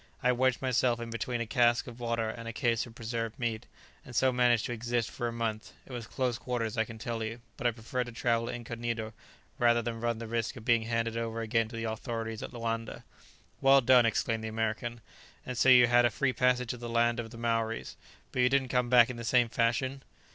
I wedged myself in between a cask of water and a case of preserved meat, and so managed to exist for a month. It was close quarters, I can tell you, but I preferred to travel incognito rather than run the risk of being handed over again to the authorities at Loanda." "Well done!" exclaimed the American, "and so you had a free passage to the land of the Maoris. But you didn't come back in the same fashion?"